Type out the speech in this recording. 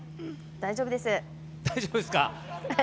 大丈夫ですか？